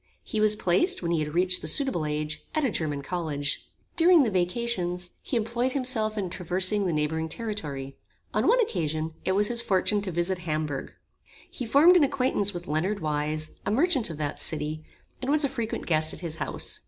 He was placed, when he had reached the suitable age, at a German college. During the vacations, he employed himself in traversing the neighbouring territory. On one occasion it was his fortune to visit Hamburg. He formed an acquaintance with Leonard Weise, a merchant of that city, and was a frequent guest at his house.